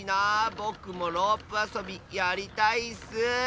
ぼくもロープあそびやりたいッス！